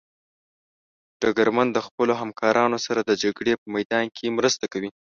ډګرمن د خپلو همکارانو سره د جګړې په میدان کې مرسته کوي.